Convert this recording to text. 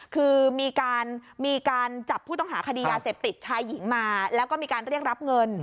คือมีการจับผู้ต้องหาคดียาเสพติดชายหญิงมาแล้วก็มีการเรียกรับเงิน